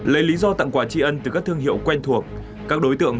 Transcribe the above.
lấy lý do tặng quà tri ân từ các thương hiệu quen thuộc